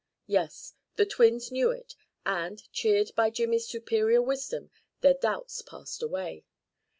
Yes, the twins knew it and, cheered by Jimmy's superior wisdom, their doubts passed away.